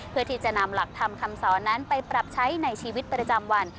เพื่อที่จะนำหลักธรรมคำสอนนั้นไปปรับใช้ในชีวิตประจำวัน